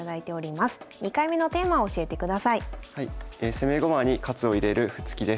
「攻め駒に活を入れる歩突き」です。